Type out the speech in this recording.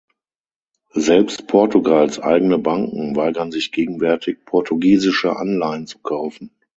Selbst Portugals eigene Banken weigern sich gegenwärtig, portugiesische Anleihen zu kaufen.